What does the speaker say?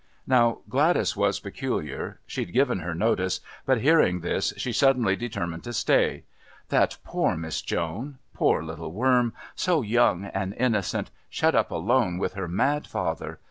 Now Gladys was peculiar. She'd given her notice, but hearing this, she suddenly determined to stay. That poor Miss Joan! Poor little worm! So young and innocent shut up all alone with her mad father.